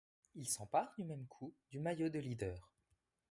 Il s'empare, du même coup, du maillot de leader.